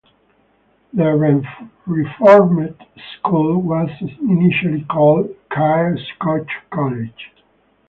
The re-formed school was initially called Kyre Scotch College.